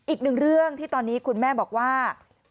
อีกหนึ่งเรื่องที่ตอนนี้คุณแม่บอกว่า